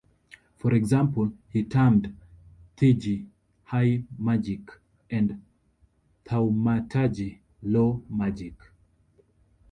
For example, he termed theurgy "high magick" and thaumaturgy "low magick".